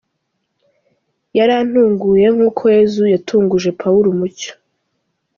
Yarantunguye nk’uko Yezu yatunguje Pawulo umucyo.